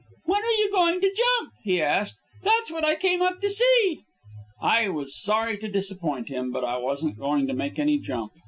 "When are you going to jump?" he asked. "That's what I came up to see." I was sorry to disappoint him, but I wasn't going to make any jump.